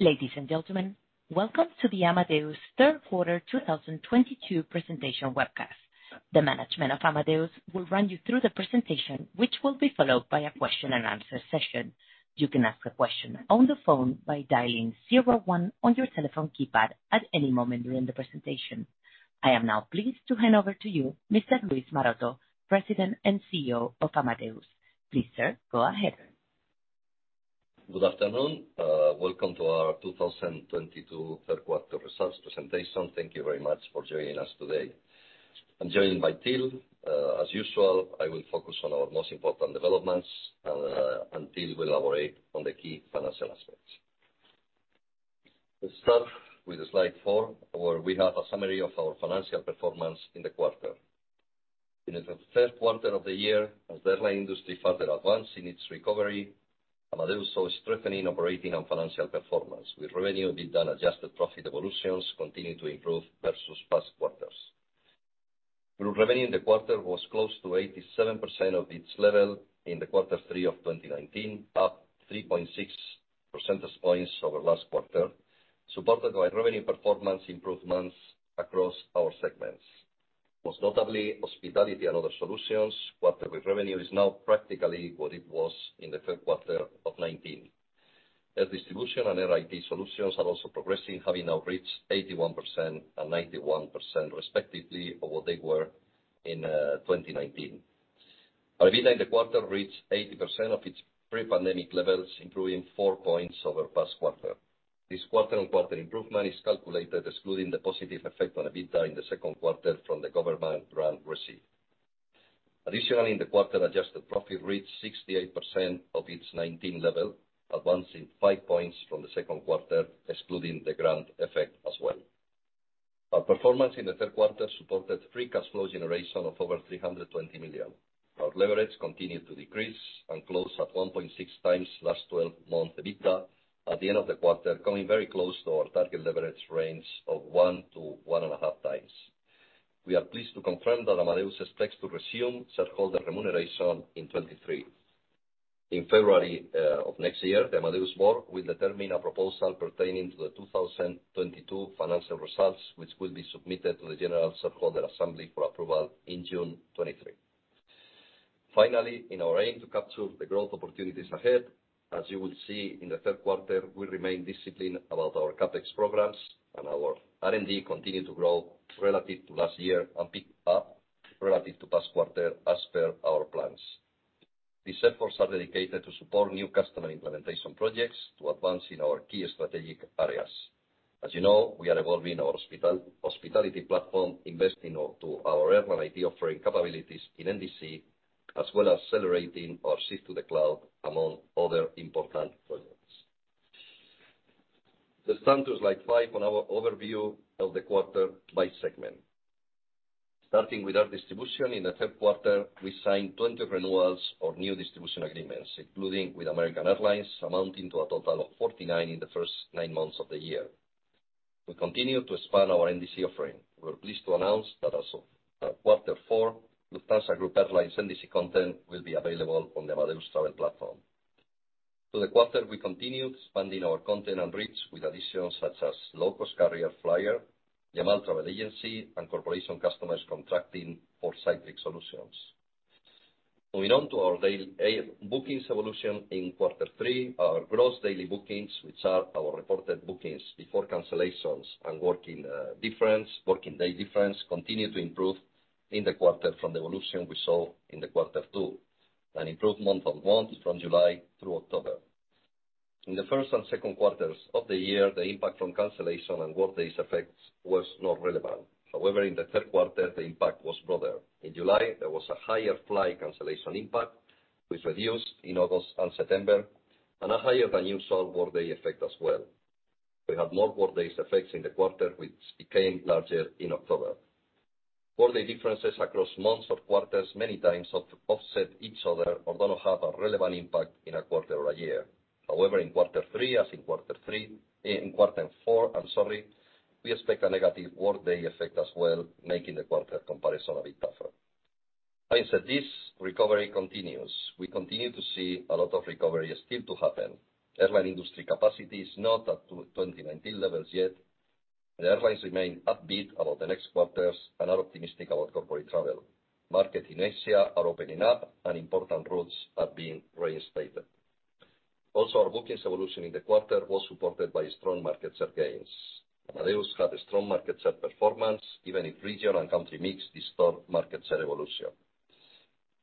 Ladies and gentlemen, welcome to the Amadeus Third Quarter 2022 presentation webcast. The management of Amadeus will run you through the presentation, which will be followed by a question and answer session. You can ask a question on the phone by dialing zero one on your telephone keypad at any moment during the presentation. I am now pleased to hand over to you, Mr. Luis Maroto, President and CEO of Amadeus. Please, sir, go ahead. Good afternoon. Welcome to our 2022 third quarter results presentation. Thank you very much for joining us today. I'm joined by Till. As usual, I will focus on our most important developments, and Till will elaborate on the key financial aspects. Let's start with slide four, where we have a summary of our financial performance in the quarter. In the third quarter of the year, as the airline industry further advanced in its recovery, Amadeus saw a strengthening operating and financial performance, with revenue, EBITDA, and adjusted profit evolutions continuing to improve versus past quarters. Group revenue in the quarter was close to 87% of its level in the quarter three of 2019, up 3.6 percentage points over last quarter, supported by revenue performance improvements across our segments. Most notably, Hospitality & Other Solutions, with revenue now practically what it was in the third quarter of 2019. Air Distribution and Air IT Solutions are also progressing, having now reached 81% and 91% respectively of what they were in 2019. Our EBITDA in the quarter reached 80% of its pre-pandemic levels, improving 4 points over past quarter. This quarter-on-quarter improvement is calculated excluding the positive effect on EBITDA in the second quarter from the government grant received. Additionally, in the quarter, adjusted profit reached 68% of its 2019 level, advancing 5 points from the second quarter, excluding the grant effect as well. Our performance in the third quarter supported free cash flow generation of over 320 million. Our leverage continued to decrease and close at 1.6x last 12-month EBITDA at the end of the quarter, coming very close to our target leverage range of 1 x to 1.5x. We are pleased to confirm that Amadeus expects to resume shareholder remuneration in 2023. In February of next year, the Amadeus board will determine a proposal pertaining to the 2022 financial results, which will be submitted to the general shareholder assembly for approval in June 2023. Finally, in our aim to capture the growth opportunities ahead, as you will see in the third quarter, we remain disciplined about our CapEx programs and our R&D continued to grow relative to last year and picked up relative to last quarter as per our plans. These efforts are dedicated to support new customer implementation projects to advance in our key strategic areas. As you know, we are evolving our Hospitality Platform, investing in our airline IT offering capabilities in NDC, as well as celebrating our shift to the cloud, among other important projects. Let's turn to slide five on our overview of the quarter by segment. Starting with our distribution, in the third quarter, we signed 20 renewals or New Distribution Agreements, including with American Airlines, amounting to a total of 49 in the first nine months of the year. We continue to expand our NDC offering. We're pleased to announce that as of quarter four, Lufthansa Group Airlines NDC content will be available on the Amadeus Travel Platform. Through the quarter, we continued expanding our content and reach with additions such as low-cost carrier Flyr, Jamal Travel Agency, and corporation customers contracting for Cytric Solutions. Moving on to our daily bookings evolution in quarter three, our gross daily bookings, which are our reported bookings before cancellations and working day difference, continued to improve in the quarter from the evolution we saw in quarter two, an improvement of months from July through October. In the first and second quarters of the year, the impact from cancellation and work days effects was not relevant. However, in the third quarter, the impact was broader. In July, there was a higher flight cancellation impact, which reduced in August and September, and a higher than usual working day effect as well. We have more work days effects in the quarter, which became larger in October. Working day differences across months or quarters many times offset each other or do not have a relevant impact in a quarter or a year. However, in quarter four, I'm sorry, we expect a negative work day effect as well, making the quarter comparison a bit tougher. That being said, this recovery continues. We continue to see a lot of recovery still to happen. Airline industry capacity is not at 2019 levels yet. The airlines remain upbeat about the next quarters and are optimistic about corporate travel. Markets in Asia are opening up and important routes are being reinstated. Also, our bookings evolution in the quarter was supported by strong market share gains. Amadeus had a strong market share performance, even if region and country mix disturbed market share evolution.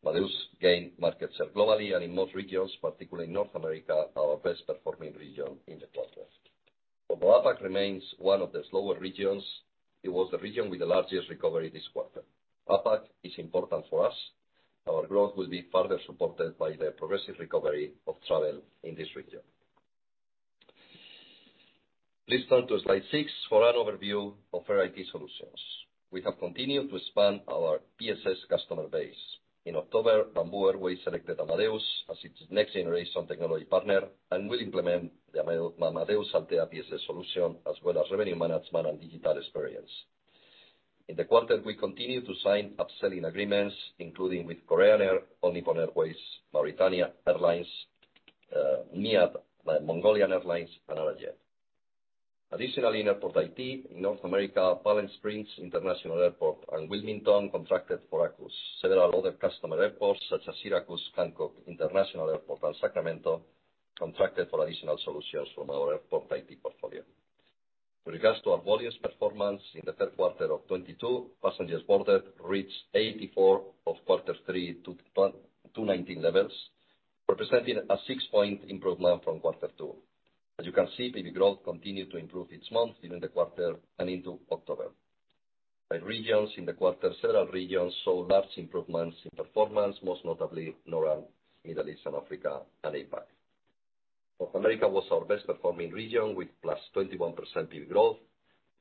Amadeus gained market share globally and in most regions, particularly North America, our best performing region in the quarter. Although APAC remains one of the slower regions, it was the region with the largest recovery this quarter. APAC is important for us. Our growth will be further supported by the progressive recovery of travel in this region. Please turn to slide six for an overview of Air IT Solutions. We have continued to expand our PSS customer base. In October, Bamboo Airways selected Amadeus as its next-generation technology partner and will implement the Amadeus Altéa PSS solution, as well as Revenue Management and Digital Experience. In the quarter, we continued to sign upselling agreements, including with Korean Air, All Nippon Airways, Mauritania Airlines, MIAT Mongolian Airlines, and Arajet. Additionally, in Airport IT, in North America, Palm Springs International Airport and Wilmington contracted for ACUS. Several other customer airports, such as Syracuse Hancock International Airport and Sacramento, contracted for additional solutions from our Airport IT portfolio. With regards to our volumes performance in the third quarter of 2022, Passengers Boarded reached 84% of quarter three to twenty nineteen levels, representing a 6-point improvement from quarter two. As you can see, PV growth continued to improve each month during the quarter and into October. By regions, in the quarter, several regions saw large improvements in performance, most notably LATAM, Middle East and Africa, and APAC. North America was our best performing region, with +21% PV growth,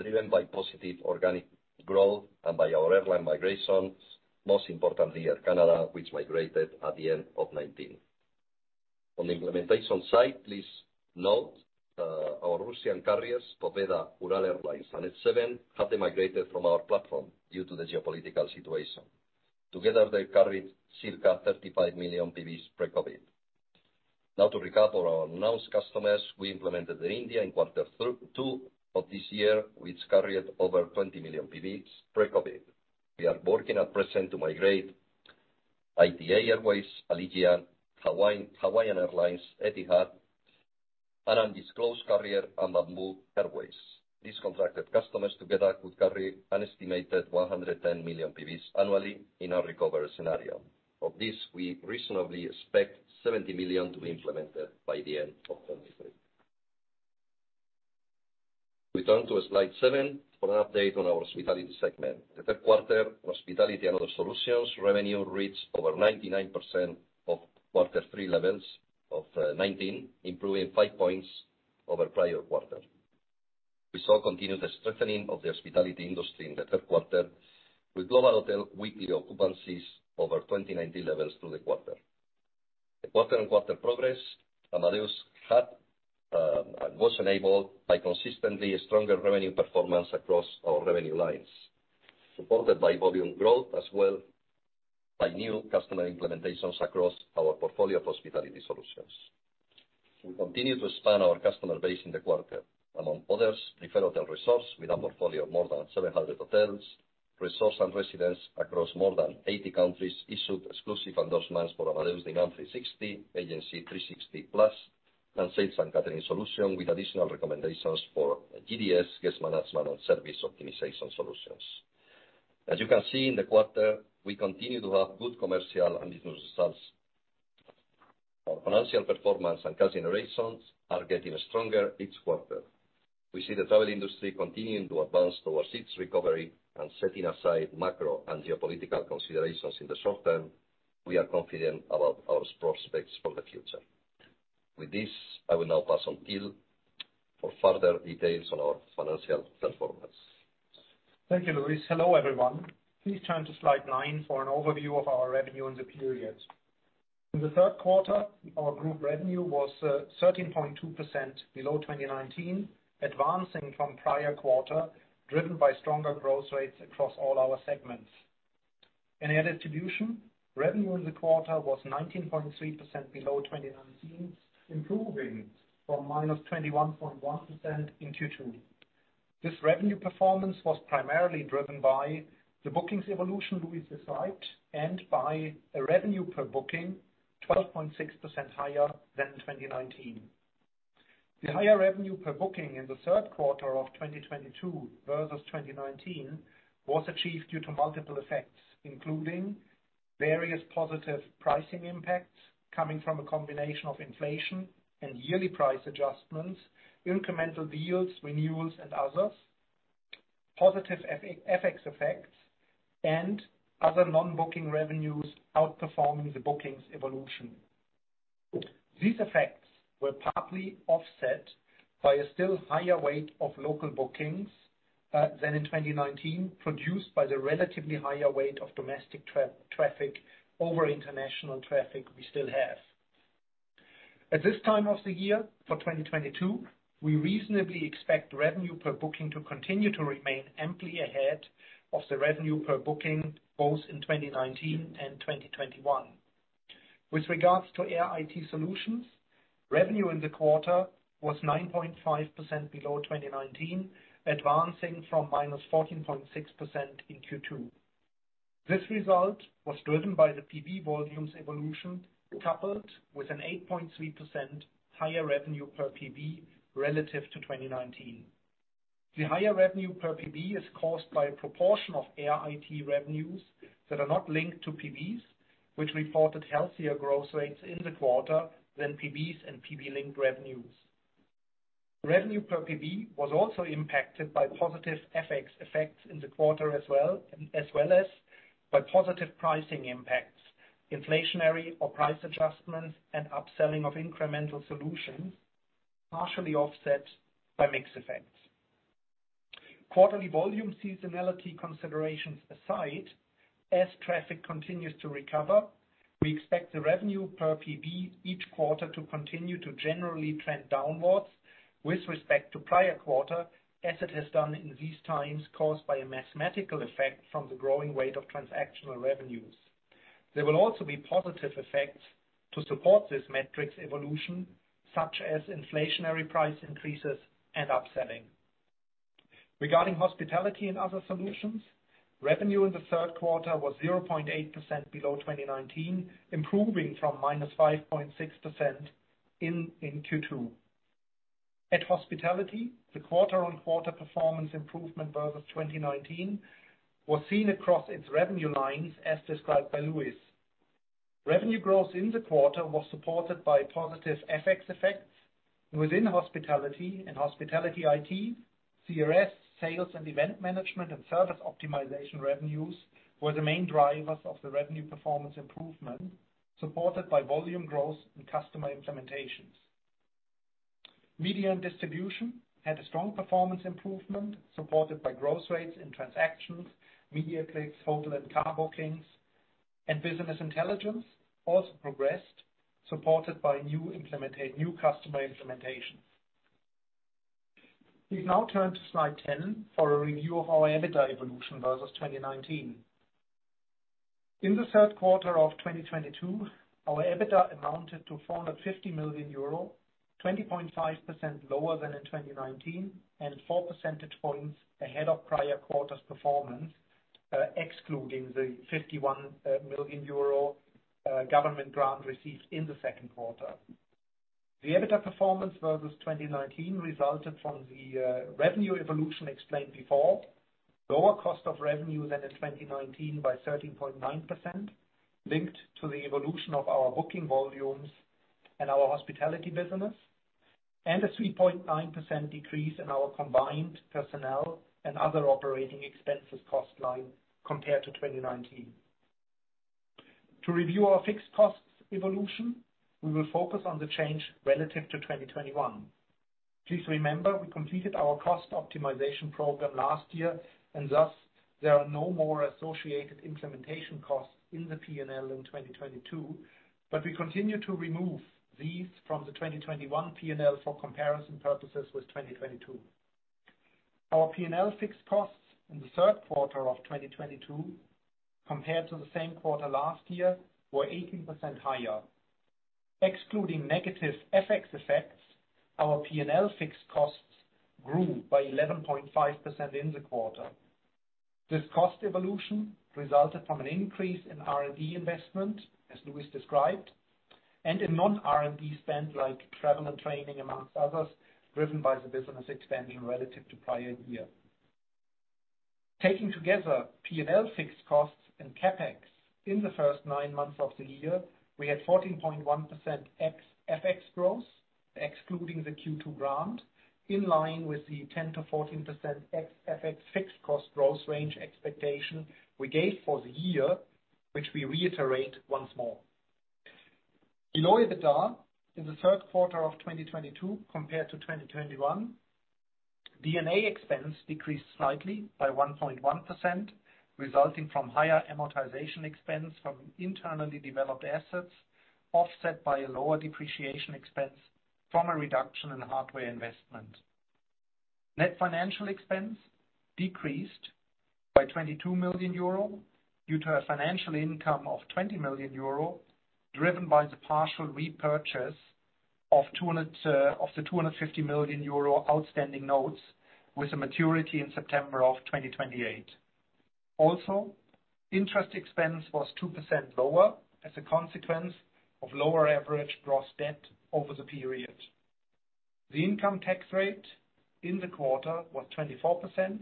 driven by positive organic growth and by our airline migrations, most importantly Air Canada, which migrated at the end of 2019. On the implementation side, please note, our Russian carriers, S7, have migrated from our platform due to the geopolitical situation. Together, they carried circa 35 million PVs pre-COVID. Now to recap our announced customers, we implemented Air India in quarter two of this year, which carried over 20 million PVs pre-COVID. We are working at present to migrate ITA Airways, Allegiant, Hawaiian Airlines, Etihad, and undisclosed carrier, Oman Air. These contracted customers together could carry an estimated 110 million PVs annually in our recovery scenario. Of this, we reasonably expect 70 million to be implemented by the end of 2023. We turn to slide seven for an update on our hospitality segment. The third quarter Hospitality & Other Solutions revenue reached over 99% of quarter three levels of 2019, improving 5 points over prior quarter. We saw continued strengthening of the hospitality industry in the third quarter, with global hotel weekly occupancies over 2019 levels through the quarter. The quarter-on-quarter progress Amadeus had was enabled by consistently stronger revenue performance across our revenue lines, supported by volume growth as well by new customer implementations across our portfolio of hospitality solutions. We continued to expand our customer base in the quarter. Among others, Preferred Hotels & Resorts, with a portfolio of more than 700 hotels, resorts, and residences across more than 80 countries, issued exclusive endorsements for Amadeus Demand360, Agency360+, and sales and catering solution, with additional recommendations for GDS, Guest Management, and Service Optimization solutions. As you can see in the quarter, we continue to have good commercial and business results. Our financial performance and cash generations are getting stronger each quarter. We see the travel industry continuing to advance towards its recovery, and setting aside macro and geopolitical considerations in the short term, we are confident about our prospects for the future. With this, I will now pass on to Till for further details on our financial performance. Thank you, Luis. Hello, everyone. Please turn to slide nine for an overview of our revenue in the period. In the third quarter, our group revenue was 13.2% below 2019, advancing from prior quarter, driven by stronger growth rates across all our segments. In Air Distribution, revenue in the quarter was 19.3% below 2019, improving from -21.1% in Q2. This revenue performance was primarily driven by the bookings evolution Luis described and by a revenue per booking 12.6% higher than in 2019. The higher revenue per booking in the third quarter of 2022 versus 2019 was achieved due to multiple effects, including various positive pricing impacts coming from a combination of inflation and yearly price adjustments, incremental deals, renewals, and others, positive FX effects, and other non-booking revenues outperforming the bookings evolution. These effects were partly offset by a still higher weight of local bookings than in 2019, produced by the relatively higher weight of domestic traffic over international traffic we still have. At this time of the year for 2022, we reasonably expect revenue per booking to continue to remain amply ahead of the revenue per booking, both in 2019 and 2021. With regards to Air IT Solutions, revenue in the quarter was 9.5% below 2019, advancing from -14.6% in Q2. This result was driven by the PV volumes evolution, coupled with an 8.3% higher revenue per PV relative to 2019. The higher revenue per PV is caused by a proportion of Air IT revenues that are not linked to PVs, which reported healthier growth rates in the quarter than PVs and PV-linked revenues. Revenue per PV was also impacted by positive FX effects in the quarter as well, as well as by positive pricing impacts, inflationary or price adjustments, and upselling of incremental solutions, partially offset by mix effects. Quarterly volume seasonality considerations aside. As traffic continues to recover, we expect the revenue per PB each quarter to continue to generally trend downwards with respect to prior quarter as it has done in these times caused by a mathematical effect from the growing rate of transactional revenues. There will also be positive effects to support this metrics evolution, such as inflationary price increases and upselling. Regarding Hospitality and Other Solutions, revenue in the third quarter was 0.8% below 2019, improving from -5.6% in Q2. At Hospitality, the quarter-on-quarter performance improvement versus 2019 was seen across its revenue lines as described by Luis. Revenue growth in the quarter was supported by positive FX effects within Hospitality and Hospitality IT. CRS, Sales & Event Management and Service Optimization revenues were the main drivers of the revenue performance improvement, supported by volume growth and customer implementations. Media and distribution had a strong performance improvement supported by growth rates in transactions, media clicks, hotel and car bookings, and business intelligence also progressed, supported by new customer implementation. Please now turn to slide 10 for a review of our EBITDA evolution versus 2019. In the third quarter of 2022, our EBITDA amounted to 450 million euro, 20.5% lower than in 2019 and 4 percentage points ahead of prior quarter's performance, excluding the 51 million euro government grant received in the second quarter. The EBITDA performance versus 2019 resulted from the revenue evolution explained before. Lower cost of revenue than in 2019 by 13.9% linked to the evolution of our booking volumes and our hospitality business, and a 3.9% decrease in our combined personnel and other operating expenses cost line compared to 2019. To review our fixed costs evolution, we will focus on the change relative to 2021. Please remember we completed our cost optimization program last year and thus there are no more associated implementation costs in the P&L in 2022, but we continue to remove these from the 2021 P&L for comparison purposes with 2022. Our P&L fixed costs in the third quarter of 2022 compared to the same quarter last year were 18% higher. Excluding negative FX effects, our P&L fixed costs grew by 11.5% in the quarter. This cost evolution resulted from an increase in R&D investment, as Luis described, and a non-R&D spend like travel and training among others, driven by the business expansion relative to prior year. Taking together P&L fixed costs and CapEx in the first nine months of the year, we had 14.1% ex-FX growth excluding the Q2 grant, in line with the 10%-14% ex-FX fixed cost growth range expectation we gave for the year, which we reiterate once more. Below EBITDA in the third quarter of 2022 compared to 2021, D&A expense decreased slightly by 1.1%, resulting from higher amortization expense from internally developed assets, offset by a lower depreciation expense from a reduction in hardware investment. Net financial expense decreased by 22 million euro due to a financial income of 20 million euro, driven by the partial repurchase of 200 of the 250 million euro outstanding notes with a maturity in September of 2028. Also, interest expense was 2% lower as a consequence of lower average gross debt over the period. The income tax rate in the quarter was 24%,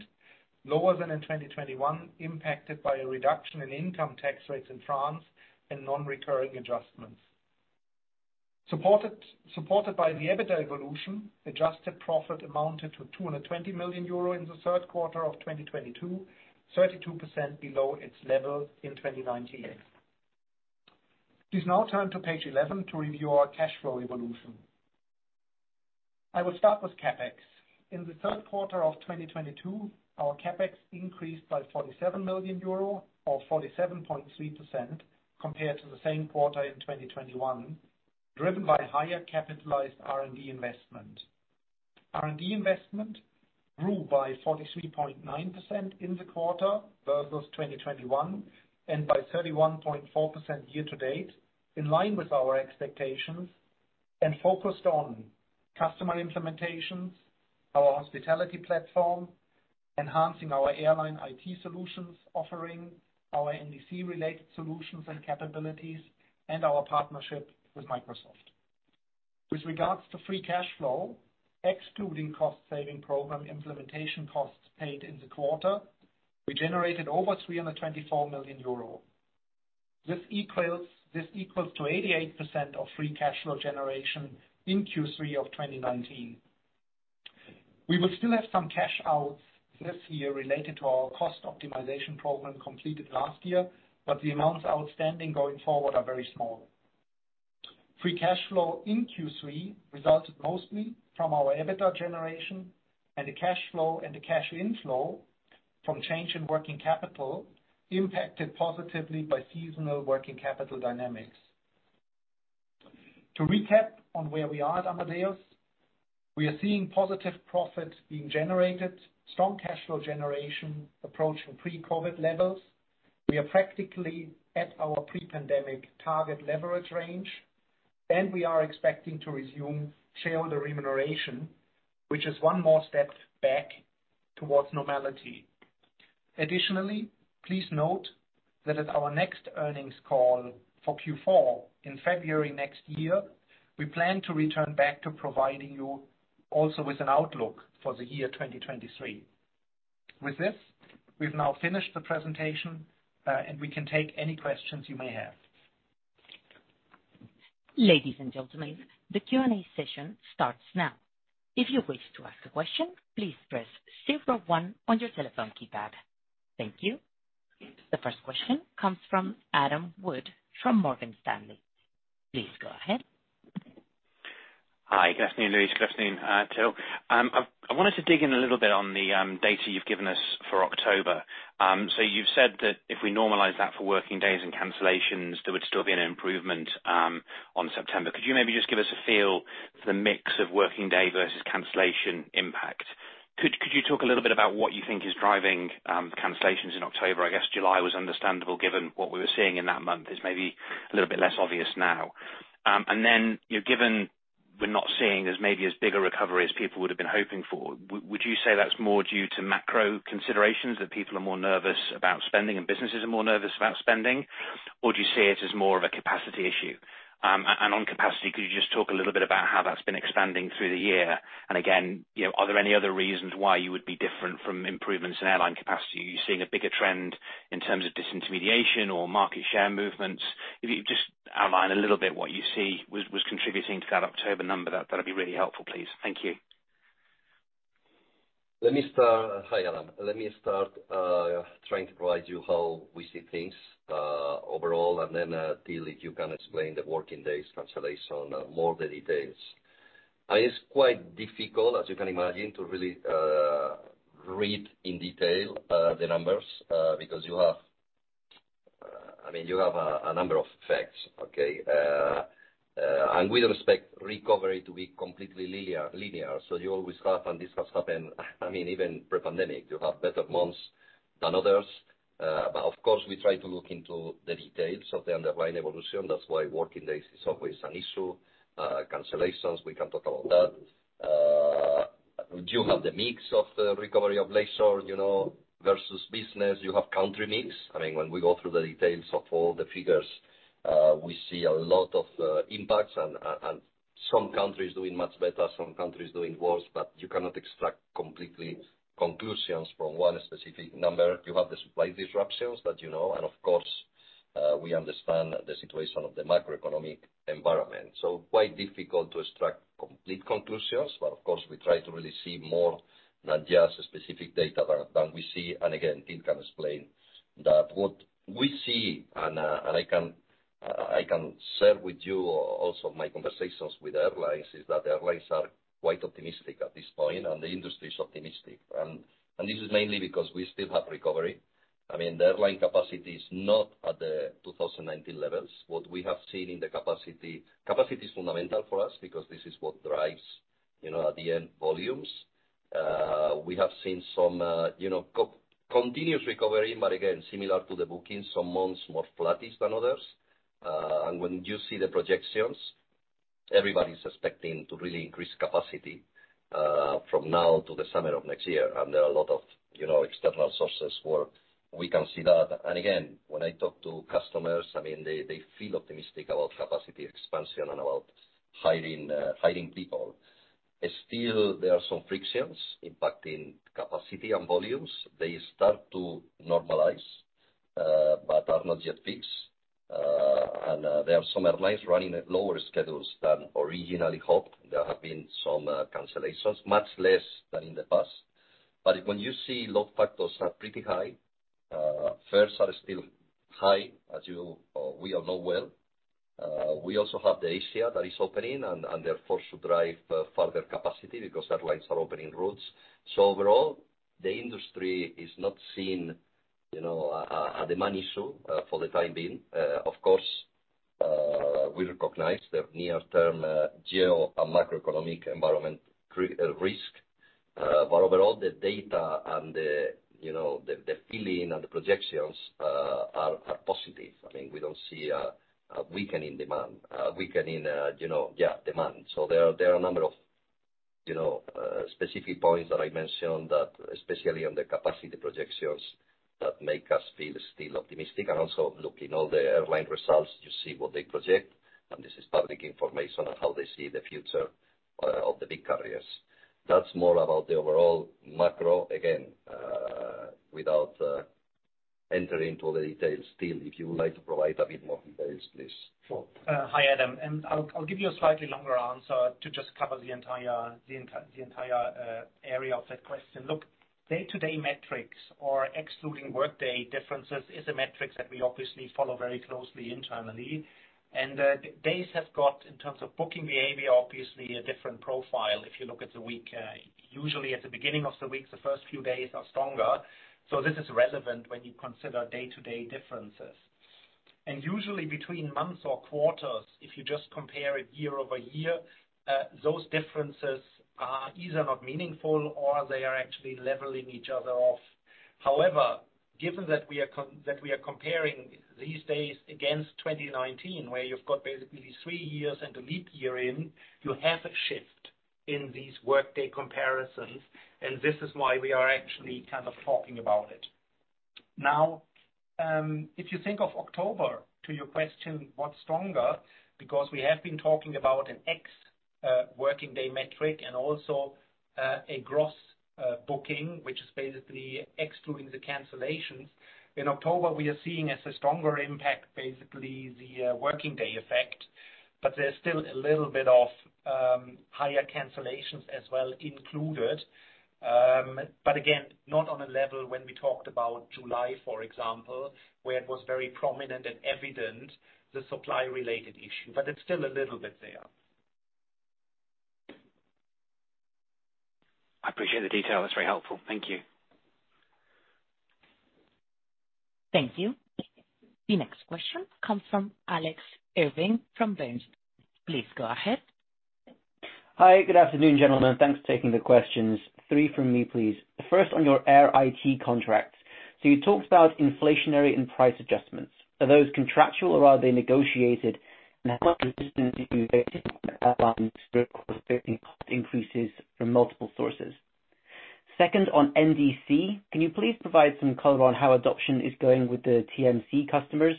lower than in 2021, impacted by a reduction in income tax rates in France and non-recurring adjustments. Supported by the EBITDA evolution, adjusted profit amounted to 220 million euro in the third quarter of 2022, 32% below its level in 2019. Please now turn to page 11 to review our cash flow evolution. I will start with CapEx. In the third quarter of 2022, our CapEx increased by 47 million euro or 47.3% compared to the same quarter in 2021, driven by higher capitalized R&D investment. R&D investment grew by 43.9% in the quarter versus 2021 and by 31.4% year to date in line with our expectations and focused on customer implementations, our hospitality platform, enhancing our airline IT solutions offering, our NDC related solutions and capabilities, and our partnership with Microsoft. With regards to free cash flow, excluding cost saving program implementation costs paid in the quarter, we generated over 324 million euro. This equals to 88% of free cash flow generation in Q3 of 2019. We will still have some cash outs this year related to our cost optimization program completed last year, but the amounts outstanding going forward are very small. Free cash flow in Q3 resulted mostly from our EBITDA generation and the cash flow and the cash inflow from change in working capital impacted positively by seasonal working capital dynamics. To recap on where we are at Amadeus, we are seeing positive profits being generated, strong cash flow generation approaching pre-COVID levels. We are practically at our pre-pandemic target leverage range, and we are expecting to resume shareholder remuneration, which is one more step back towards normality. Additionally, please note that at our next earnings call for Q4 in February next year, we plan to return back to providing you also with an outlook for the year 2023. With this, we've now finished the presentation, and we can take any questions you may have. Ladies and gentlemen, the Q&A session starts now. If you wish to ask a question, please press zero one on your telephone keypad. Thank you. The first question comes from Adam Wood from Morgan Stanley. Please go ahead. Hi. Good afternoon, Luis. Good afternoon, Till. I wanted to dig in a little bit on the data you've given us for October. You've said that if we normalize that for working days and cancellations, there would still be an improvement on September. Could you maybe just give us a feel for the mix of working day versus cancellation impact? Could you talk a little bit about what you think is driving the cancellations in October? I guess July was understandable, given what we were seeing in that month. It's maybe a little bit less obvious now. You know, given we're not seeing as maybe as big a recovery as people would have been hoping for, would you say that's more due to macro considerations, that people are more nervous about spending and businesses are more nervous about spending? Do you see it as more of a capacity issue? On capacity, could you just talk a little bit about how that's been expanding through the year? Again, you know, are there any other reasons why you would be different from improvements in airline capacity? Are you seeing a bigger trend in terms of disintermediation or market share movements? If you could just outline a little bit what you see was contributing to that October number, that'd be really helpful, please. Thank you. Let me start. Hi, Adam, trying to provide you how we see things overall, and then, Till, if you can explain the working days cancellation more of the details. It's quite difficult, as you can imagine, to really read in detail the numbers because you have, I mean, a number of facts, okay? We don't expect recovery to be completely linear. You always have, and this has happened, I mean, even pre-pandemic, you have better months than others. We try to look into the details of the underlying evolution. That's why working days is always an issue. Cancellations, we can talk about that. You have the mix of the recovery of leisure, you know, versus business. You have country mix. I mean, when we go through the details of all the figures, we see a lot of impacts and some countries doing much better, some countries doing worse, but you cannot extract completely conclusions from one specific number. You have the supply disruptions that you know, and of course, we understand the situation of the macroeconomic environment. Quite difficult to extract complete conclusions. Of course, we try to really see more than just specific data than we see. Again, Till can explain that. What we see, and I can share with you also my conversations with airlines, is that the airlines are quite optimistic at this point, and the industry is optimistic. This is mainly because we still have recovery. I mean, the airline capacity is not at the 2019 levels. What we have seen in the capacity. Capacity is fundamental for us because this is what drives, you know, at the end, volumes. We have seen some, you know, kind of continuous recovery, but again, similar to the bookings, some months more flattish than others. When you see the projections, everybody's expecting to really increase capacity from now to the summer of next year. There are a lot of, you know, external sources where we can see that. When I talk to customers, I mean, they feel optimistic about capacity expansion and about hiring people. Still, there are some frictions impacting capacity and volumes. They start to normalize, but are not yet fixed. There are some airlines running at lower schedules than originally hoped. There have been some cancellations, much less than in the past. When you see load factors are pretty high, fares are still high, as you, we all know well. We also have the Asia that is opening and therefore should drive further capacity because airlines are opening routes. Overall, the industry is not seeing, you know, a demand issue, for the time being. Of course, we recognize the near-term, geopolitical and macroeconomic environment risk. Overall, the data and the, you know, the feeling and the projections, are positive. I mean, we don't see a weakening demand, you know, demand. There are a number of, you know, specific points that I mentioned that, especially on the capacity projections, that make us feel still optimistic. Also looking at all the airline results, you see what they project, and this is public information on how they see the future of the big carriers. That's more about the overall macro. Again, without entering into the details. Still, if you would like to provide a bit more details, please. Sure. Hi, Adam, and I'll give you a slightly longer answer to just cover the entire area of that question. Look, day-to-day metrics or excluding workday differences is a metrics that we obviously follow very closely internally. Days have got, in terms of booking behavior, obviously a different profile if you look at the week. Usually at the beginning of the week, the first few days are stronger, so this is relevant when you consider day-to-day differences. Usually between months or quarters, if you just compare it year-over-year, those differences are either not meaningful or they are actually leveling each other off. However, given that we are comparing these days against 2019, where you've got basically three years and a leap year in, you have a shift in these workday comparisons, and this is why we are actually kind of talking about it. Now, if you think of October, to your question, what's stronger? Because we have been talking about an ex-working day metric and also a gross booking, which is basically excluding the cancellations. In October, we are seeing a stronger impact, basically the working day effect, but there's still a little bit of higher cancellations as well included. Again, not on a level when we talked about July, for example, where it was very prominent and evident, the supply-related issue, but it's still a little bit there. I appreciate the detail. That's very helpful. Thank you. Thank you. The next question comes from Alex Irving from Bernstein. Please go ahead. Hi, good afternoon, gentlemen. Thanks for taking the questions. Three from me, please. The first on your Air IT contract. You talked about inflationary and price adjustments. Are those contractual or are they negotiated? And how much resistance have you faced increases from multiple sources? Second, on NDC, can you please provide some color on how adoption is going with the TMC customers,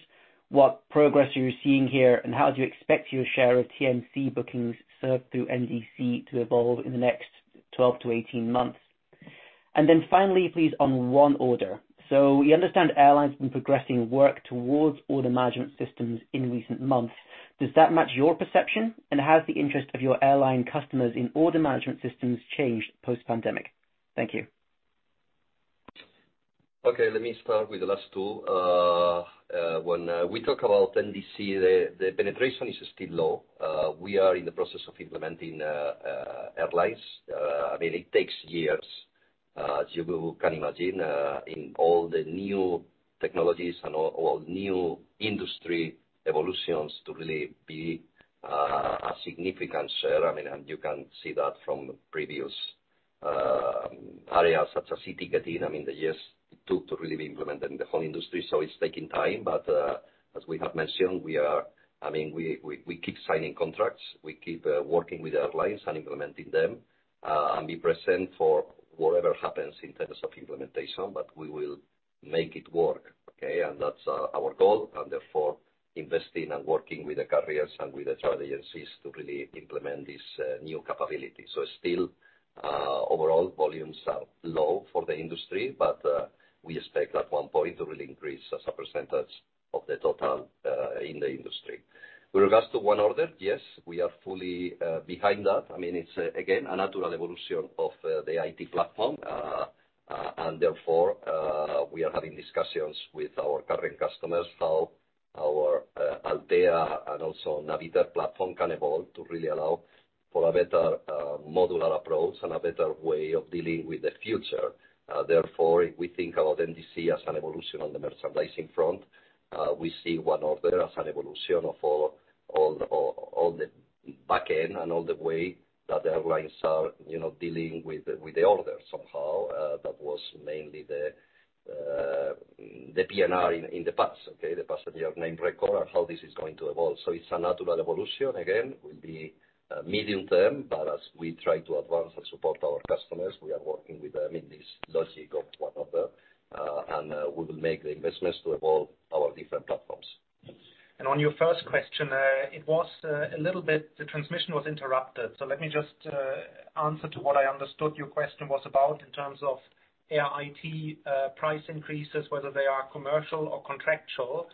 what progress you're seeing here, and how do you expect your share of TMC bookings served through NDC to evolve in the next 12 to 18 months? Then finally, please, on ONE Order. We understand airlines have been progressing work towards Order Management Systems in recent months. Does that match your perception? And has the interest of your airline customers in Order Management Systems changed post-pandemic? Thank you. Okay, let me start with the last two. When we talk about NDC, the penetration is still low. We are in the process of implementing airlines. I mean, it takes years, as you can imagine, in all the new technologies and all new industry evolutions to really be a significant share. I mean, you can see that from previous areas such as e-ticketing. I mean, the years it took to really be implemented in the whole industry, so it's taking time. But as we have mentioned, we are—I mean, we keep signing contracts. We keep working with airlines and implementing them and be present for whatever happens in terms of implementation, but we will make it work, okay? That's our goal, and therefore investing and working with the carriers and with the travel agencies to really implement this new capability. Still, overall volumes are low for the industry, but we expect at one point to really increase as a percentage of the total in the industry. With regards to ONE Order, yes, we are fully behind that. I mean, it's again, a natural evolution of the IT platform. And therefore, we are having discussions with our current customers, how our Altéa and also Navitaire platform can evolve to really allow for a better modular approach and a better way of dealing with the future. Therefore, if we think about NDC as an evolution on the merchandising front, we see ONE Order as an evolution of all the back end and all the way that the airlines are, you know, dealing with the order somehow, that was mainly the PNR in the past. The passenger name record and how this is going to evolve. It's a natural evolution. Again, will be medium term, but as we try to advance and support our customers, we are working with them in this logic of ONE Order, and we will make the investments to evolve our different platforms. On your first question, it was a little bit the transmission was interrupted. Let me just answer to what I understood your question was about in terms of Air IT price increases, whether they are commercial or contractual.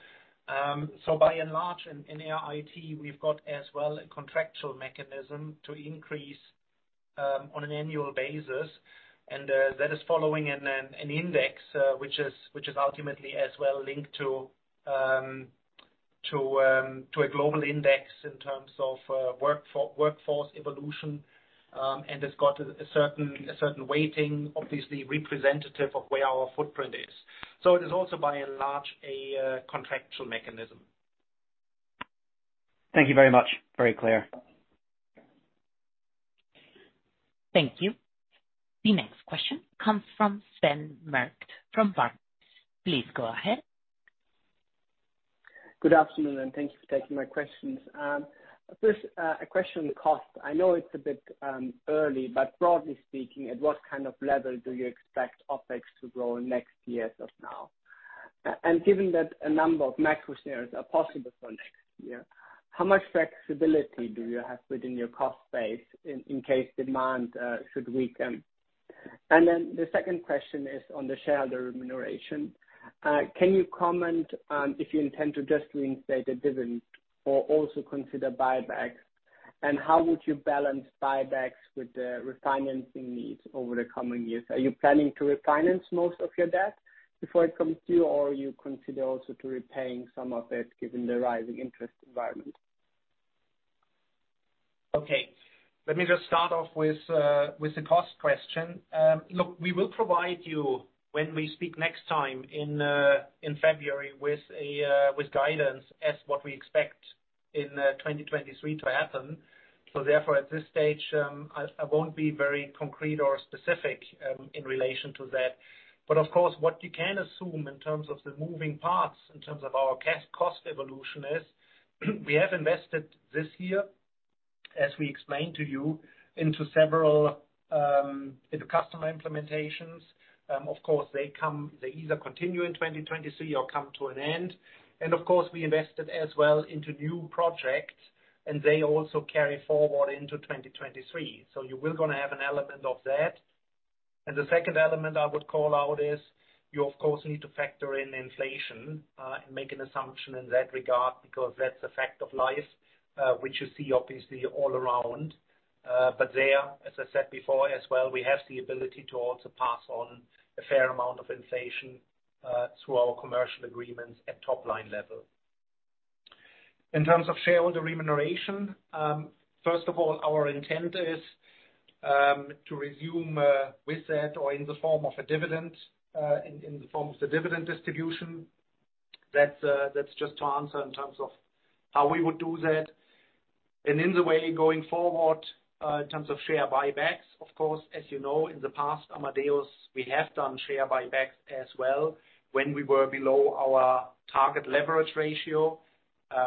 By and large in Air IT, we've got as well a contractual mechanism to increase on an annual basis. That is following an index, which is ultimately as well linked to a global index in terms of workforce evolution, and has got a certain weighting, obviously representative of where our footprint is. It is also by and large a contractual mechanism. Thank you very much. Very clear. Thank you. The next question comes from Sven Merkt from Barclays. Please go ahead. Good afternoon, and thank you for taking my questions. First, a question on costs. I know it's a bit early, but broadly speaking, at what kind of level do you expect OpEx to grow next year as of now? And given that a number of macro scenarios are possible for next year, how much flexibility do you have within your cost base in case demand should weaken? The second question is on the shareholder remuneration. Can you comment on if you intend to just reinstate a dividend or also consider buybacks? And how would you balance buybacks with the refinancing needs over the coming years? Are you planning to refinance most of your debt before it comes due, or you consider also to repaying some of it given the rising interest environment? Okay. Let me just start off with the cost question. Look, we will provide you, when we speak next time in February, with guidance as what we expect in 2023 to happen. Therefore at this stage, I won't be very concrete or specific in relation to that. But of course, what you can assume in terms of the moving parts, in terms of our cost evolution is, we have invested this year, as we explained to you, into several into customer implementations. Of course, they either continue in 2023 or come to an end. Of course we invested as well into new projects, and they also carry forward into 2023. You will gonna have an element of that. The second element I would call out is you of course need to factor in inflation, and make an assumption in that regard because that's a fact of life, which you see obviously all around. There, as I said before as well, we have the ability to also pass on a fair amount of inflation, through our commercial agreements at top line level. In terms of shareholder remuneration, first of all, our intent is to resume with that or in the form of a dividend, in the form of the dividend distribution. That's just to answer in terms of how we would do that. In the way going forward, in terms of share buybacks, of course, as you know, in the past, Amadeus, we have done share buybacks as well when we were below our target leverage ratio.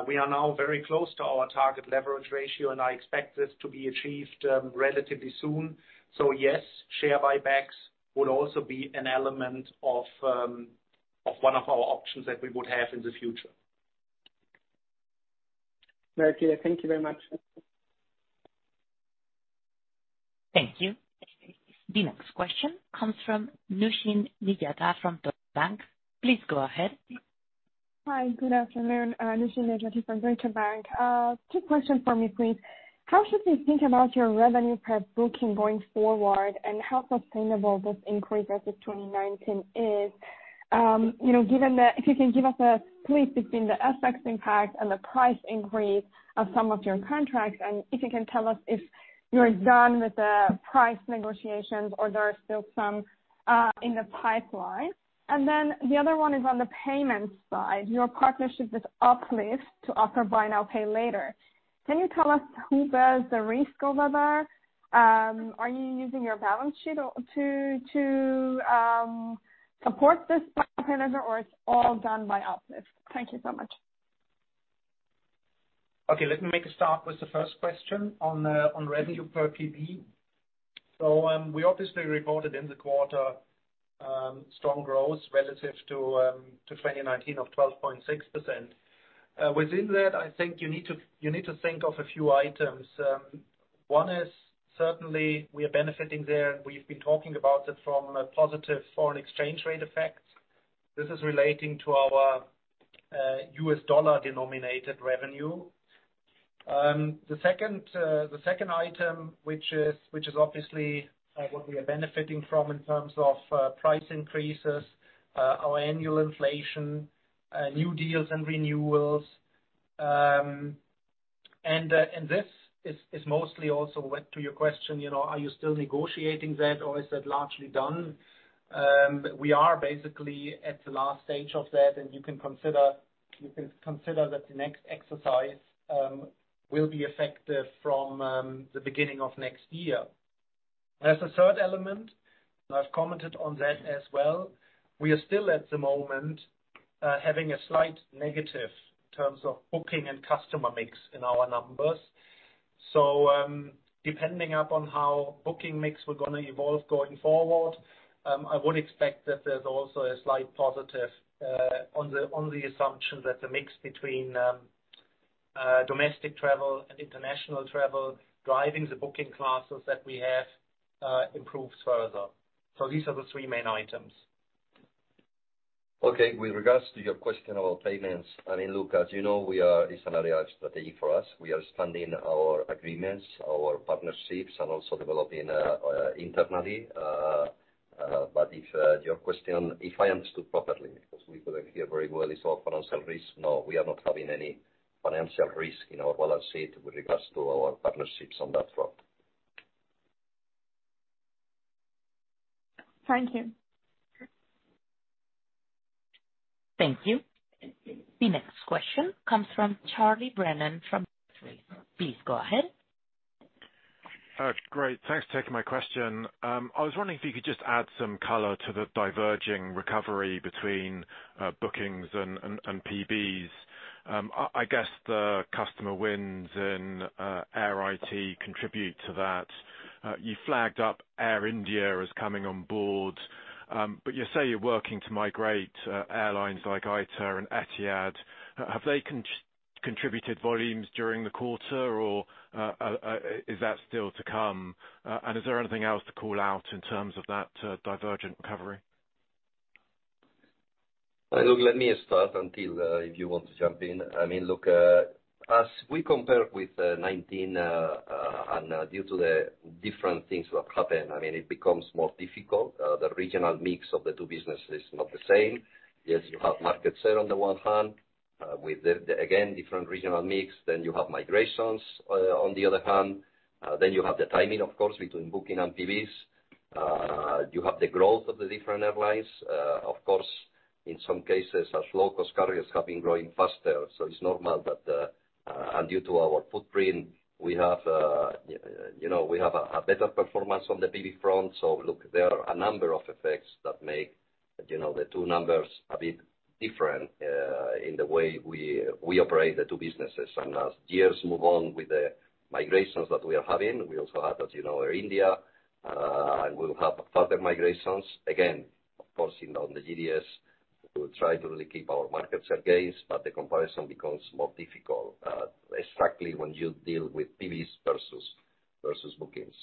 We are now very close to our target leverage ratio, and I expect this to be achieved, relatively soon. Yes, share buybacks would also be an element of one of our options that we would have in the future. Very clear. Thank you very much. Thank you. The next question comes from Nooshin Nejati from Deutsche Bank. Please go ahead. Hi. Good afternoon. Nooshin Nejati from Deutsche Bank. two questions from me, please. How should we think about your revenue per booking going forward, and how sustainable this increase versus 2019 is? You know, given if you can give us a split between the FX impact and the price increase of some of your contracts, and if you can tell us if you're done with the price negotiations or there are still some in the pipeline. The other one is on the payment side. Your partnership with Uplift to offer buy now, pay later. Can you tell us who bears the risk over there? Are you using your balance sheet or to support this buy now, pay later, or it's all done by Uplift? Thank you so much. Okay, let me make a start with the first question on revenue per PB. We obviously reported in the quarter strong growth relative to 2019 of 12.6%. Within that, I think you need to think of a few items. One is certainly we are benefiting there, and we've been talking about it from a positive foreign exchange rate effect. This is relating to our US dollar denominated revenue. The second item, which is obviously what we are benefiting from in terms of price increases, our annual inflation, new deals and renewals. This is mostly also went to your question, you know, are you still negotiating that or is that largely done? We are basically at the last stage of that, and you can consider that the next exercise will be effective from the beginning of next year. As a third element, I've commented on that as well, we are still at the moment having a slight negative in terms of booking and customer mix in our numbers. Depending upon how booking mix will gonna evolve going forward, I would expect that there's also a slight positive on the assumption that the mix between domestic travel and international travel driving the booking classes that we have improves further. These are the three main items. Okay. With regards to your question about payments, I mean, look, as you know, it's an area of strategy for us. We are expanding our agreements, our partnerships, and also developing internally. But if your question, if I understood properly, because we couldn't hear very well, it's all financial risk. No, we are not having any financial risk in our balance sheet with regards to our partnerships on that front. Thank you. Thank you. The next question comes from Charles Brennan from Jefferies. Please go ahead. Great. Thanks for taking my question. I was wondering if you could just add some color to the diverging recovery between bookings and PBs. I guess the customer wins and Air IT contribute to that. You flagged up Air India as coming on board, but you say you're working to migrate airlines like ITA and Etihad. Have they contributed volumes during the quarter or is that still to come? Is there anything else to call out in terms of that divergent recovery? Well, look, let me start if you want to jump in. I mean, look, as we compare with 2019 and due to the different things that happened, I mean, it becomes more difficult. The regional mix of the two businesses is not the same. Yes, you have market share on the one hand with the, again, different regional mix. Then you have migrations on the other hand. Then you have the timing, of course, between booking and TVs. You have the growth of the different airlines. Of course, in some cases such low-cost carriers have been growing faster, so it's normal that. Due to our footprint, we have, you know, we have a better performance on the TV front. Look, there are a number of effects that make, you know, the two numbers a bit different in the way we operate the two businesses. As years move on with the migrations that we are having, we also have, as you know, Air India, and we'll have further migrations. Again, of course, you know, in the GDS, we'll try to really keep our market share gains, but the comparison becomes more difficult, especially when you deal with TVs versus bookings.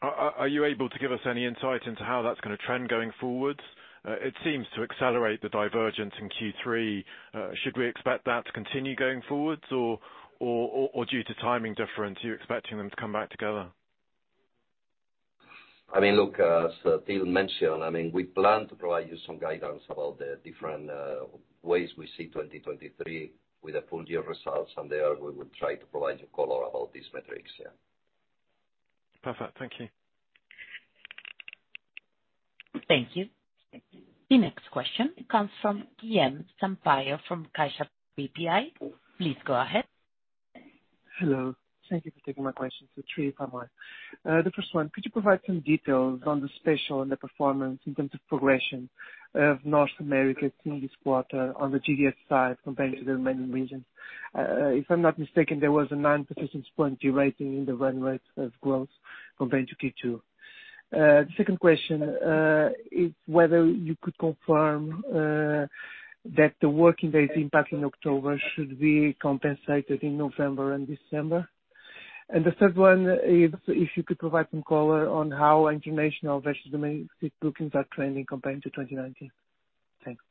Are you able to give us any insight into how that's gonna trend going forward? It seems to accelerate the divergence in Q3. Should we expect that to continue going forwards or due to timing difference, you're expecting them to come back together? I mean, look, as Till mentioned, I mean, we plan to provide you some guidance about the different ways we see 2023 with the full year results. There, we will try to provide you color about these metrics, yeah. Perfect. Thank you. Thank you. The next question comes from Guilherme Sampaio from Caixa BPI. Please go ahead. Hello. Thank you for taking my question. Three, if I may. The first one, could you provide some details on the special and the performance in terms of progression of North America in this quarter on the GDS side compared to the remaining regions? If I'm not mistaken, there was a 9 percentage point derating in the run rate of growth compared to Q2. The second question is whether you could confirm that the working day impact in October should be compensated in November and December. The third one is if you could provide some color on how international versus domestic bookings are trending compared to 2019? Thanks.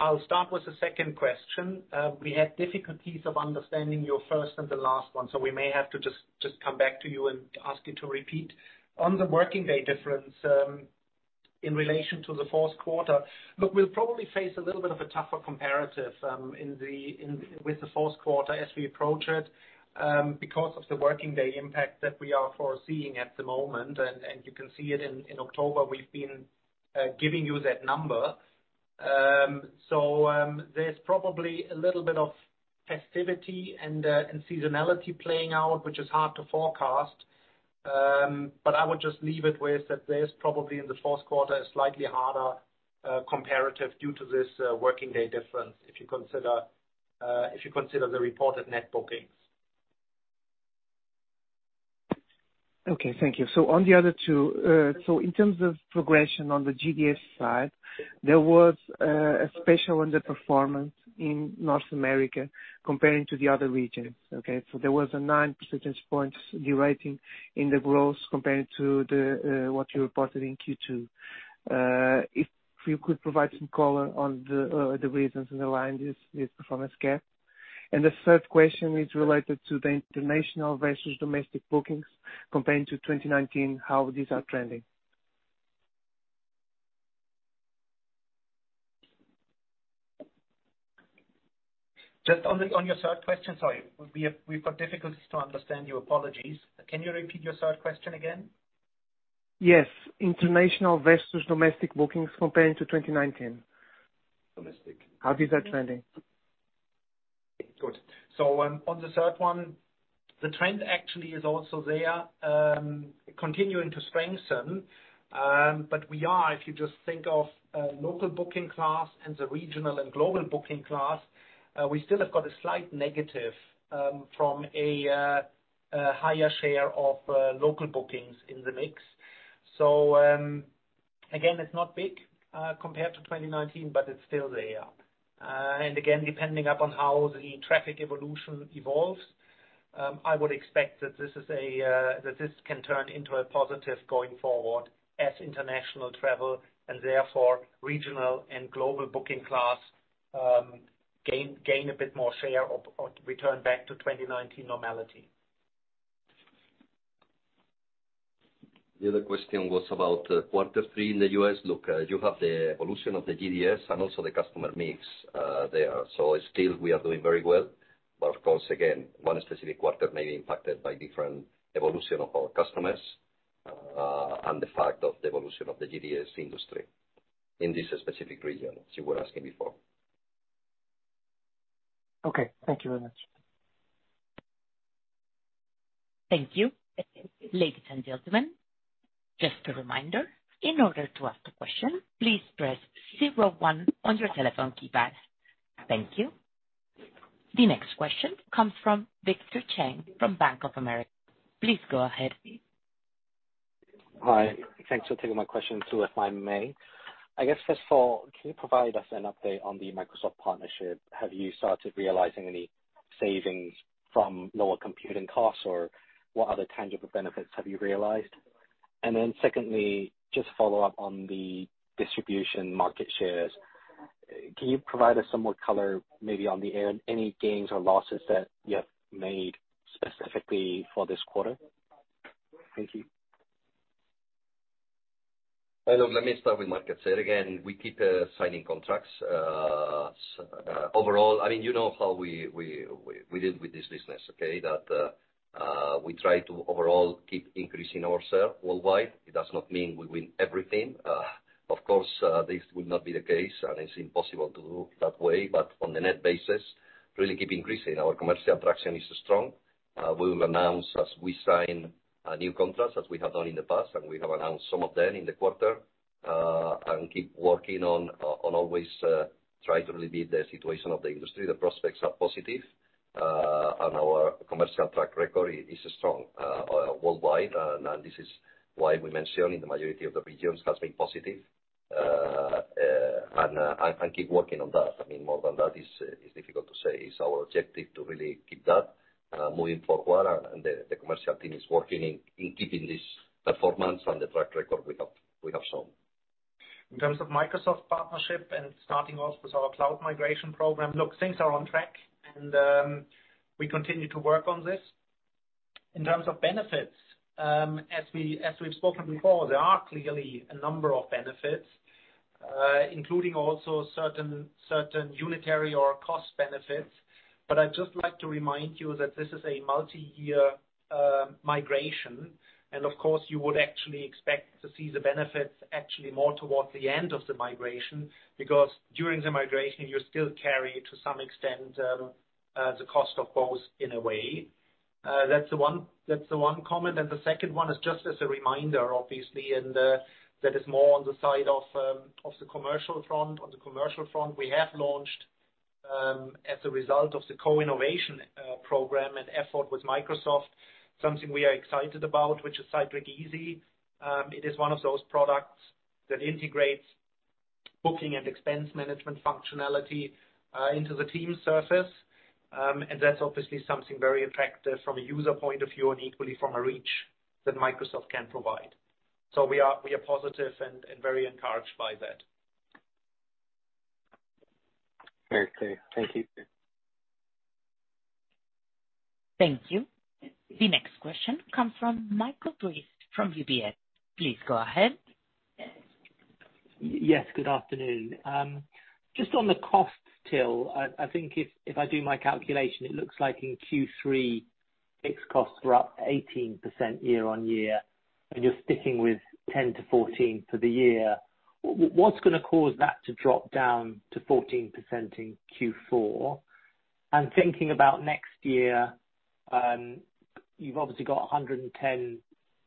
I'll start with the second question. We had difficulties of understanding your first and the last one, so we may have to just come back to you and ask you to repeat. On the working day difference, in relation to the fourth quarter, look, we'll probably face a little bit of a tougher comparative with the fourth quarter as we approach it, because of the working day impact that we are foreseeing at the moment. You can see it in October. We've been giving you that number. There's probably a little bit of festivity and seasonality playing out, which is hard to forecast. I would just leave it with that there's probably in the fourth quarter a slightly harder comparative due to this working day difference if you consider the reported net bookings. Okay, thank you. On the other two. In terms of progression on the GDS side, there was a special underperformance in North America comparing to the other regions. Okay? There was a 9 percentage points derating in the growth compared to what you reported in Q2. If you could provide some color on the reasons underlying this performance gap. The third question is related to the international versus domestic bookings comparing to 2019, how these are trending? Just on your third question. Sorry. We've got difficulties to understand you. Apologies. Can you repeat your third question again? Yes. International versus domestic bookings comparing to 2019. Domestic. How these are trending? Good. On the third one, the trend actually is also there, continuing to strengthen. But we are, if you just think of local booking class and the regional and global booking class, we still have got a slight negative from a higher share of local bookings in the mix. Again, it's not big compared to 2019 but it's still there. And again, depending upon how the traffic evolution evolves, I would expect that this can turn into a positive going forward as international travel and therefore regional and global booking class gain a bit more share or return back to 2019 normality. The other question was about quarter three in the U.S. Look, you have the evolution of the GDS and also the customer mix there. Still we are doing very well. Of course, again, one specific quarter may be impacted by different evolution of our customers and the fact of the evolution of the GDS industry in this specific region, as you were asking before. Okay. Thank you very much. Thank you. Ladies and gentlemen, just a reminder, in order to ask a question, please press zero one on your telephone keypad. Thank you. The next question comes from Victor Cheng from Bank of America. Please go ahead. Hi. Thanks for taking my question. Two if I may. I guess first of all, can you provide us an update on the Microsoft partnership? Have you started realizing any savings from lower computing costs, or what other tangible benefits have you realized? Secondly, just follow up on the distribution market shares. Can you provide us some more color maybe on the end, any gains or losses that you have made specifically for this quarter? Thank you. Hello. Let me start with market share. Again, we keep signing contracts. Overall, I mean, you know how we deal with this business, okay? That we try to overall keep increasing our share worldwide. It does not mean we win everything. Of course, this will not be the case, and it's impossible to do it that way. On a net basis, really keep increasing. Our commercial traction is strong. We will announce as we sign new contracts as we have done in the past, and we have announced some of them in the quarter. Keep working on always trying to really read the situation of the industry. The prospects are positive. Our commercial track record is strong worldwide. This is why we mentioned the majority of the regions has been positive. Keep working on that. I mean, more than that is difficult to say. It's our objective to really keep that moving forward. The commercial team is working in keeping this performance and the track record we have shown. In terms of Microsoft partnership and starting off with our cloud migration program, look, things are on track and we continue to work on this. In terms of benefits, as we, as we've spoken before, there are clearly a number of benefits, including also certain unitary or cost benefits. I'd just like to remind you that this is a multi-year migration. Of course, you would actually expect to see the benefits actually more towards the end of the migration, because during the migration, you still carry to some extent the cost of both in a way. That's the one comment. The second one is just as a reminder, obviously, and that is more on the side of of the commercial front. On the commercial front, we have launched, as a result of the co-innovation program and effort with Microsoft, something we are excited about, which is Cytric Easy. It is one of those products that integrates booking and expense management functionality into the Teams surface. That's obviously something very attractive from a user point of view and equally from a reach that Microsoft can provide. We are positive and very encouraged by that. Very clear. Thank you. Thank you. The next question comes from Michael Briest from UBS. Please go ahead. Yes, good afternoon. Just on the cost, Till, I think if I do my calculation, it looks like in Q3, fixed costs were up 18% year-on-year, and you're sticking with 10%-14% for the year. What's gonna cause that to drop down to 14% in Q4? Thinking about next year, you've obviously got 110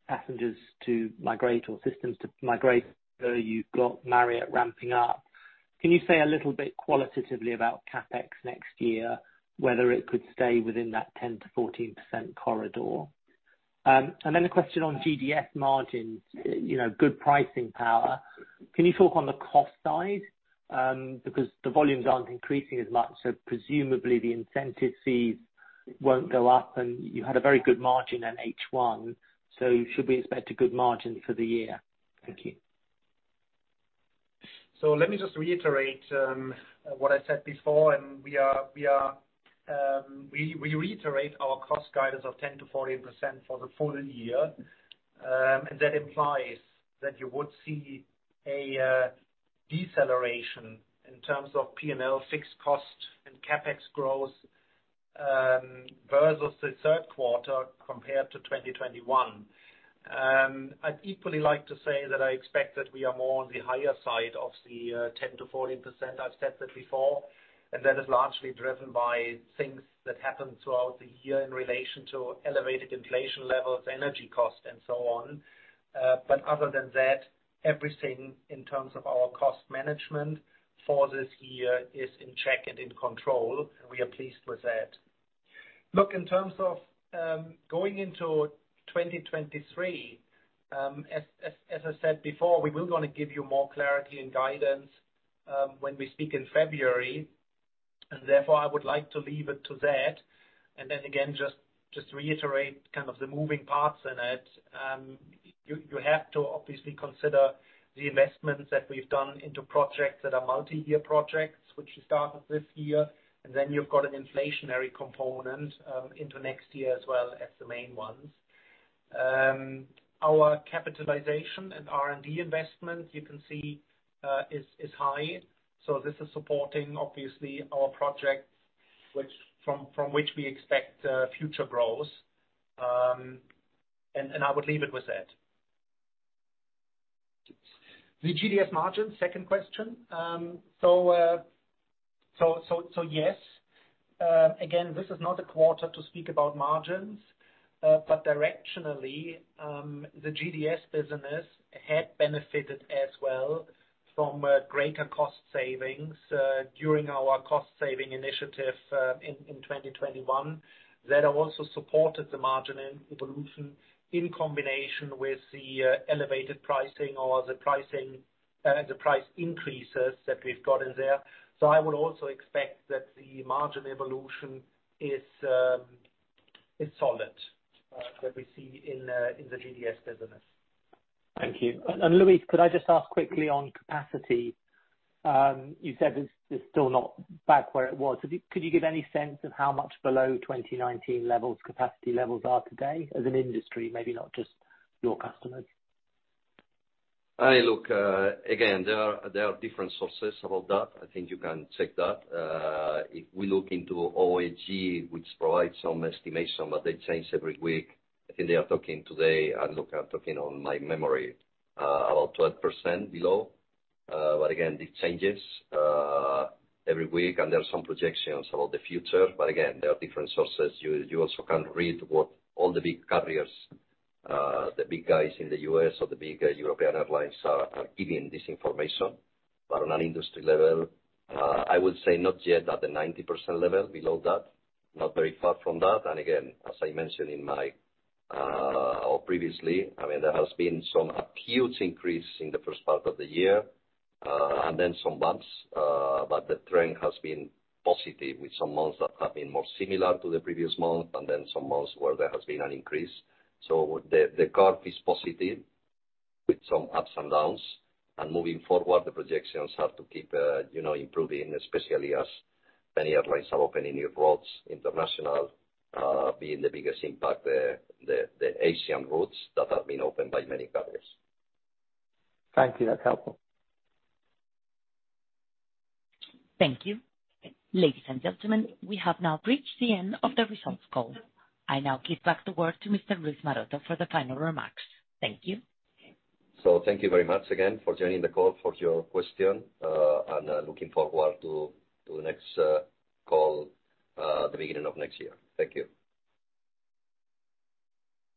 passenger systems to migrate. You've got Marriott ramping up. Can you say a little bit qualitatively about CapEx next year, whether it could stay within that 10%-14% corridor? Then a question on GDS margins, you know, good pricing power. Can you talk on the cost side? Because the volumes aren't increasing as much, so presumably the incentive fees won't go up. You had a very good margin in H1, so should we expect a good margin for the year? Thank you. Let me just reiterate what I said before. We reiterate our cost guidance of 10%-14% for the full year. That implies that you would see a deceleration in terms of P&L fixed cost and CapEx growth versus the third quarter compared to 2021. I'd equally like to say that I expect that we are more on the higher side of the 10%-14%. I've said that before, and that is largely driven by things that happened throughout the year in relation to elevated inflation levels, energy costs, and so on. Other than that, everything in terms of our cost management for this year is in check and in control, and we are pleased with that. Look, in terms of going into 2023, as I said before, we will want to give you more clarity and guidance when we speak in February, and therefore I would like to leave it at that. Then again, just to reiterate kind of the moving parts in it, you have to obviously consider the investments that we've done into projects that are multi-year projects, which we started this year. Then you've got an inflationary component into next year as well as the main ones. Our CapEx and R&D investment you can see is high. This is supporting obviously our projects from which we expect future growth. I would leave it at that. The GDS margin, second question. Yes. Again, this is not a quarter to speak about margins, but directionally, the GDS business had benefited as well from greater cost savings during our cost saving initiative in 2021 that have also supported the margin and evolution in combination with the elevated pricing or the pricing, the price increases that we've gotten there. I would also expect that the margin evolution is solid, that we see in the GDS business. Thank you. Luis, could I just ask quickly on capacity, you said it's still not back where it was. Could you give any sense of how much below 2019 levels capacity levels are today as an industry? Maybe not just your customers? I look again, there are different sources about that. I think you can check that. If we look into OAG, which provides some estimation, but they change every week, I think they are talking today and look, I'm talking from memory about 12% below. But again, this changes every week, and there are some projections about the future, but again, there are different sources. You also can read what all the big carriers, the big guys in the U.S. or the big European airlines are giving this information. On an industry level, I would say not yet at the 90% level, below that, not very far from that. As I mentioned previously, I mean, there has been some huge increase in the first part of the year, and then some bumps. The trend has been positive with some months that have been more similar to the previous month and then some months where there has been an increase. The curve is positive with some ups and downs. Moving forward, the projections have to keep you know, improving, especially as many airlines are opening new routes international, being the biggest impact, the Asian routes that have been opened by many carriers. Thank you. That's helpful. Thank you. Ladies and gentlemen, we have now reached the end of the results call. I now give back the word to Mr. Luis Maroto for the final remarks. Thank you. Thank you very much again for joining the call, for your question, and looking forward to the next call, the beginning of next year. Thank you.